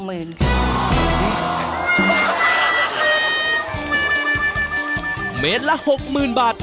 เม็ดละ๖๐๐๐๐บาท